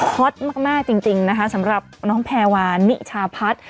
เฮาตมากมากจริงจริงนะคะสำหรับน้องแพรหวานนิชาพัส